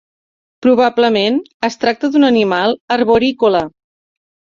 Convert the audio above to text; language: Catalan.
Probablement es tracta d'un animal arborícola.